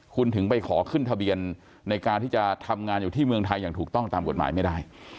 คุณถึงไปขอขึ้นทะเบียนในการที่จะทำงานอยู่ที่เมืองไทยอย่างถูกต้องตามกฎหมายไม่ได้